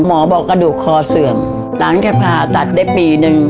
หมอกระดูกคอเสื่อมหลังบัญชาการผ่าตัดได้ปีนึง